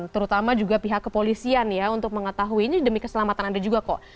terutama juga pihak kepolisian ya untuk mengetahui ini demi keselamatan anda juga kok